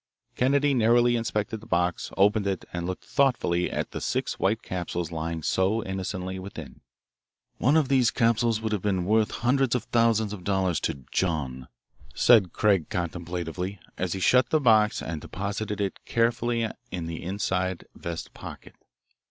Kennedy narrowly inspected the box, opened it, and looked thoughtfully at the six white capsules lying so innocently within. "One of these capsules would have been worth hundreds of thousands of dollars to 'John,'" said Craig contemplatively, as he shut the box and deposited it carefully in his inside vest pocket.